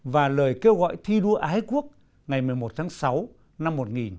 và lời kêu gọi thi đua ái quốc ngày một mươi một tháng sáu năm một nghìn chín trăm bảy mươi